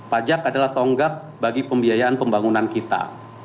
pajak adalah tonggak bagi pembiayaan pembangunan kita